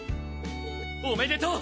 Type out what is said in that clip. おめでとう！